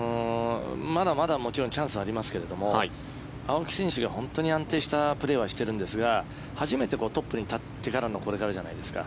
まだまだ、もちろんチャンスはありますけれども青木選手が本当に安定したプレーはしてるんですが初めてトップに立ってからのこれからじゃないですか。